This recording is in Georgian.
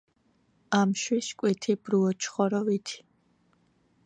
ამშვი, შკვითი, ბრუო, ჩხორო, ვითი